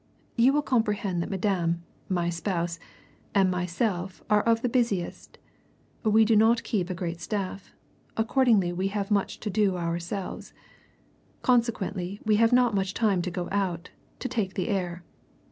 You will comprehend that Madame, my spouse, and myself are of the busiest. We do not keep a great staff; accordingly we have much to do ourselves. Consequently we have not much time to go out, to take the air.